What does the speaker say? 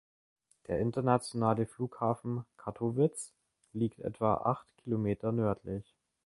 Der internationale Flughafen Katowice liegt etwa acht Kilometer nördlich.